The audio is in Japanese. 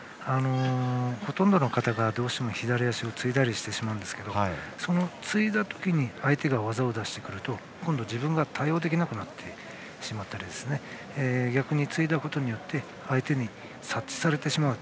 ほとんどの方がどうしても左足をついだりしますがそのついだ時に相手が技を出してくると今度は自分が対応できなくなってしまったり逆に、ついだことによって相手に察知されてしまう。